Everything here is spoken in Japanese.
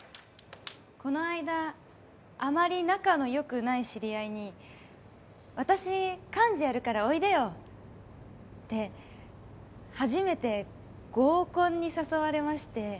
この間あまり仲の良くない知り合いに「私幹事やるからおいでよ」って初めて合コンに誘われまして。